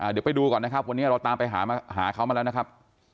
เดี๋ยวไปดูก่อนนะครับวันนี้เราตามไปหาเขามาแล้วนะครับ